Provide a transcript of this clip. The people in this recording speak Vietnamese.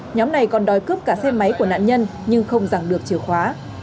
nhóm này còn đòi cướp cả xe máy của nạn nhân nhưng không giảng được chìa khóa